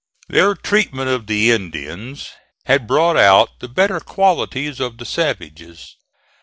Their treatment of the Indians had brought out the better qualities of the savages.